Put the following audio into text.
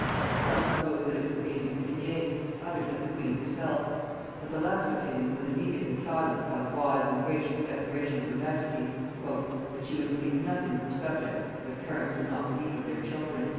Some supposed that it was aimed at Simier, others at the queen herself; but the last opinion was immediately silenced by the wise and gracious declaration of her majesty, "that she would believe nothing of her subjects that parents would not believe of their children."